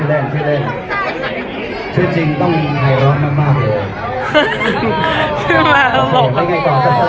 รับทรัพย์